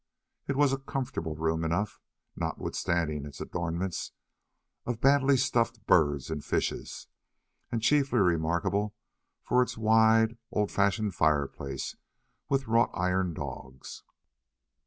It was a comfortable room enough, notwithstanding its adornments of badly stuffed birds and fishes, and chiefly remarkable for its wide old fashioned fireplace with wrought iron dogs.